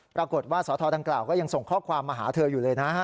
ปรากฏว่าสทดังกล่าวก็ยังส่งข้อความมาหาเธออยู่เลยนะฮะ